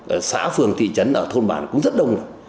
ở xã phường thị trấn ở thôn bản cũng rất đông